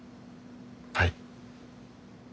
はい。